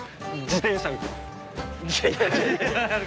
自転車。